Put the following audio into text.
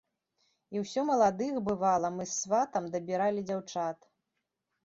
І ўсё маладых, бывала, мы з сватам дабіралі дзяўчат.